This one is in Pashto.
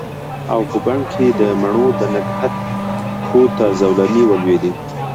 او په بڼ کې د مڼو د نګهت پښو ته زولنې ولویدې